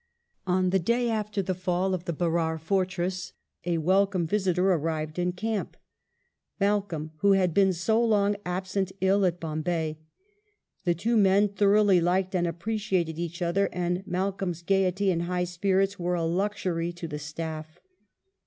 On the day after the fall of the Berar fortress, a welcome visitor arrived in camp — Malcolm, who had been so long absent ill at Bombay. The two men thoroughly liked and appreciated each other, and Malcolm's gaiety and high spirits were a luxury to the staff.